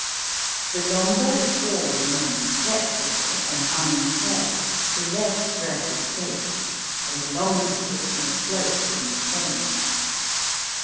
The longer the form remains flexible and unimpaired, the less breath escapes and the longer it may flow from the form.